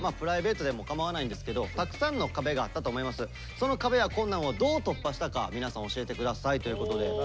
その壁や困難をどう突破したか皆さん教えてくださいということで。